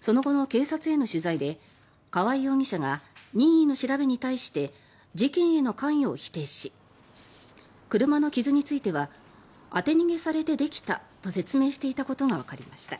その後の警察への取材で川合容疑者が任意の調べに対して事件への関与を否定し車の傷については当て逃げされてできたと説明していたことがわかりました。